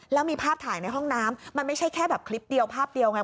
แล้วมีภาพถ่ายในห้องน้ำมันไม่ใช่แค่แบบคลิปเดียวภาพเดียวไง